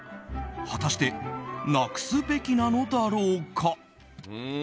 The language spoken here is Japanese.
果たしてなくすべきなのだろうか。